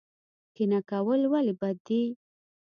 کینه کول ولې بد دي؟